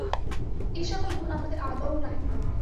এই সকল গুণ আমাদের আদৌ নাই।